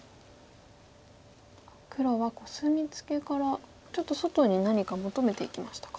黒はコスミツケからちょっと外に何か求めていきましたか。